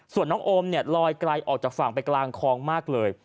ส่วนน้องโอมเนี่ยลอยไกลออกจากฝั่งไปกลางคลองมากเลย